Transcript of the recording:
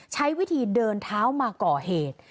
ใช้วิธีเดินเท้ามาก่อเหตุ